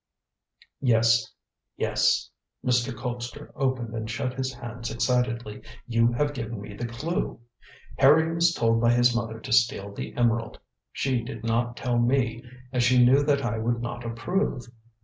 Yes, yes!" Mr. Colpster opened and shut his hands excitedly; "you have given me the clue. Harry was told by his mother to steal the emerald; she did not tell me, as she knew that I would not approve.